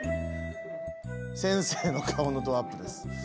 先生の顔のドアップです。